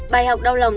bài học đau lòng